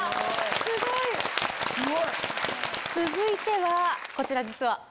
すごい！続いてはこちら実は。